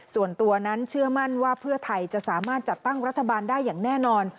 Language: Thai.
ส่วนตัวนั้นเชื่อมั่นว่าเพื่อไทยจะสามารถจัดตั้งรัฐบาลได้อย่างแน่นอน